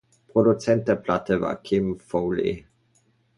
Produzent der Platte war Kim Fowley.